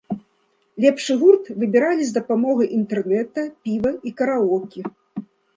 Лепшы гурт выбіралі з дапамогай інтэрнэта, піва і караоке.